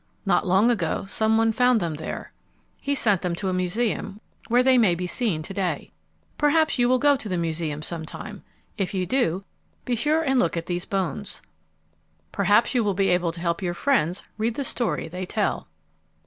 Not long ago some one found them there. He sent them to a museum, where they may be seen to day. Perhaps you will go to the museum some time. If you do, be sure and look at these bones. Perhaps you will be able to help your friends read the story they tell.